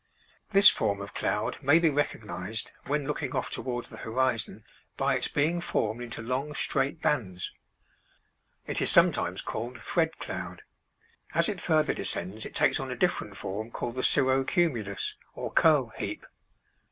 This form of cloud may be recognized, when looking off toward the horizon, by its being formed into long straight bands. It is sometimes called thread cloud. As it further descends it takes on a different form called the cirro cumulus, or curl heap.